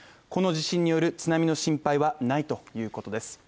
この地震による津波の心配はないということです。